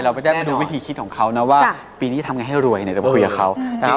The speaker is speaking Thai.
เราได้มาดูวิธีคิดของเขานะว่าปีนี้ทำยังไงให้รวยในระบบคุยกับเขา